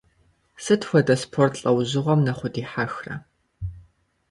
Сыт хуэдэ спорт лӏэужьыгъуэм нэхъ удихьэхрэ?